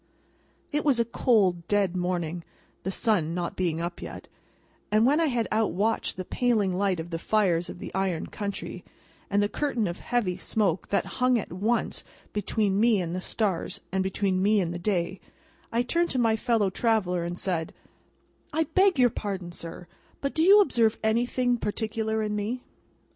It was a cold, dead morning (the sun not being up yet), and when I had out watched the paling light of the fires of the iron country, and the curtain of heavy smoke that hung at once between me and the stars and between me and the day, I turned to my fellow traveller and said: "I beg your pardon, sir, but do you observe anything particular in me?"